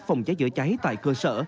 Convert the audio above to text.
phòng cháy chữa cháy tại cơ sở